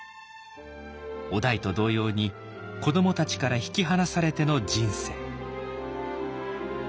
於大と同様に子どもたちから引き離されての人生。